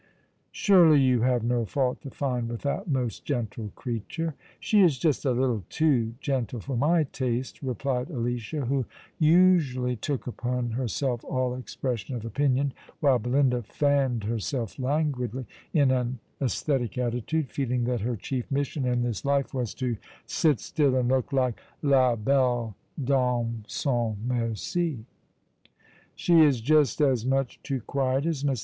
" Surely you have no fault to find with that most gentle creature ?"" She is just a little too gentle for my taste," replied Alicia, who usually took upon herself all expression of opinion, while Belinda fanned herself languidly, in an eesthetic " Of the Weak my Heart is Weakest'' 137 attitude, feeling that her chief mission in this life was to sit still and look like la telle dame sans merci. " She is just as much too quiet as Miss.